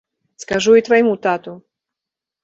Скажу і твайму тату!